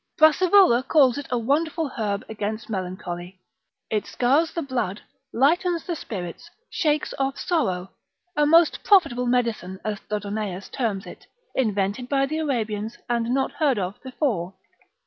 Brassivola calls it a wonderful herb against melancholy, it scours the blood, lightens the spirits, shakes off sorrow, a most profitable medicine, as Dodonaeus terms it, invented by the Arabians, and not heard of before.